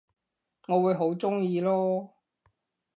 我會好鍾意囉